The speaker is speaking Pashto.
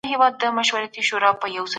سالم ذهن راتلونکی نه کموي.